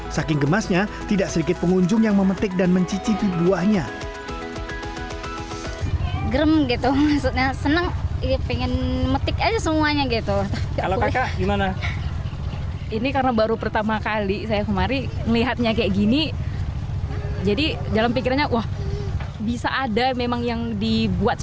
saking gemasnya tidak sedikit pengunjung yang memetik dan mencicipi buahnya